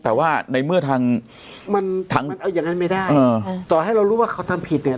แต่ว่าในเมื่อทางมันถังอย่างนั้นไม่ได้ต่อให้เรารู้ว่าเขาทำผิดเนี่ย